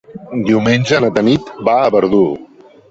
Diumenge na Tanit va a Verdú.